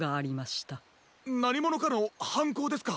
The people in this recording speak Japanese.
なにものかのはんこうですか！？